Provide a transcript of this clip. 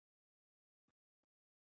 د لیمو غوړي د تازه کیدو لپاره وکاروئ